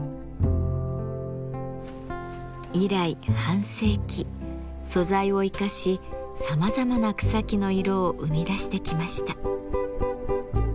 以来半世紀素材を生かしさまざまな草木の色を生み出してきました。